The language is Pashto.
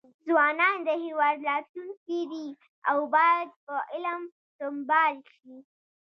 ځوانان د هیواد راتلونکي دي او باید په علم سمبال شي.